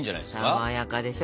さわやかでしょ。